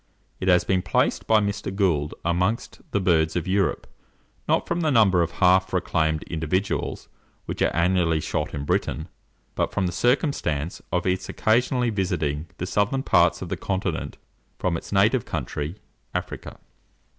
It has been placed by Mr. Gould amongst the birds of Europe; not from the number of half reclaimed individuals which are annually shot in Britain, but from the circumstance of its occasionally visiting the southern parts of the continent from its native country, Africa.